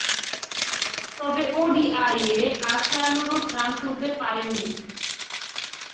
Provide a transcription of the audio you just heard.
তবে, ওডিআইয়ে আশানুরূপ রান তুলতে পারেননি।